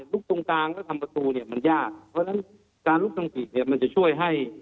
ลุกตรงกลางแล้วทำประตูเนี่ยมันยากเพราะฉะนั้นการลุกทำผิดเนี่ยมันจะช่วยให้